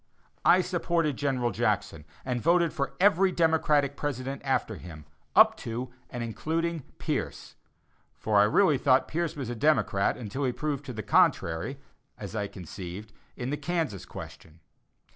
I supported General Jackson, and voted for every Democratic president after him, up to and including Pierce; for I really thought Pierce was a Democrat until he proved the contrary, as I conceived, in the Kansas question.